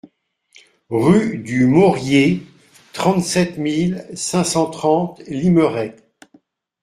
Rue du Morier, trente-sept mille cinq cent trente Limeray